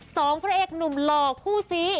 พระเอกหนุ่มหล่อคู่ซี